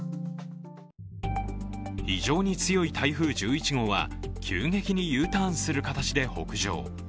非常に強い台風１１号は急激にＵターンする形で北上。